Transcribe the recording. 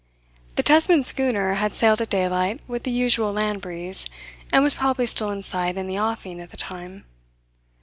The Tesman schooner had sailed at daylight with the usual land breeze, and was probably still in sight in the offing at the time.